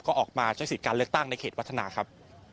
ก็ออกมาใช้สิทธิ์การเลือกตั้งในเขตวัฒนาครับ